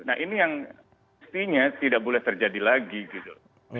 nah ini yang mestinya tidak boleh terjadi lagi gitu